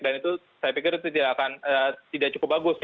dan itu saya pikir itu tidak cukup bagus